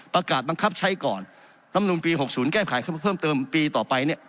ประกาศบังคับใช้ก่อนลำนูลปี๖๐แก้ไขเพิ่มเติมปีต่อไปเนี่ย